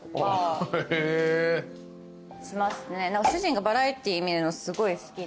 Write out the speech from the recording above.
主人がバラエティー見るのすごい好きで。